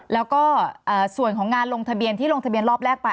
แล้วก็ส่วนของงานลงทะเบียนที่ลงทะเบียนรอบแรกไป